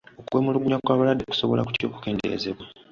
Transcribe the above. Okwemulugunya kw'abalwadde kusobola kutya okukendeezebwa?